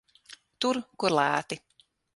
Tur, kur lēti.